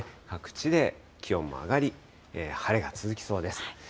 各地で気温も上がり、晴れが続きそうです。